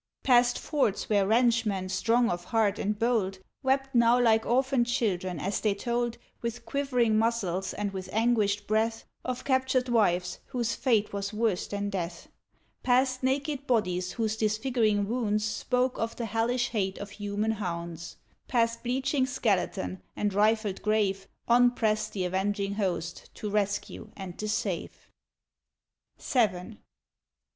Past forts where ranchmen, strong of heart and bold, Wept now like orphaned children as they told, With quivering muscles and with anguished breath, Of captured wives, whose fate was worse than death; Past naked bodies whose disfiguring wounds Spoke of the hellish hate of human hounds; Past bleaching skeleton and rifled grave, On pressed th' avenging host, to rescue and to save. VII.